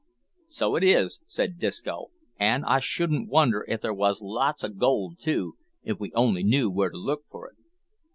"So it is," said Disco, "an' I shouldn't wonder if there wos lots of gold too, if we only knew where to look for it."